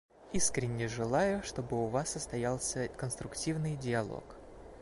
Искренне желаю, чтобы у вас состоялся конструктивный диалог.